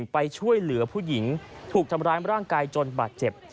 ไปช่วยเหลือผู้หญิงถูกทำร้ายร่างกายจนบาดเจ็บ